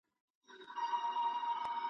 ورور په وینو لمبولی نښانه د شجاعت وي ,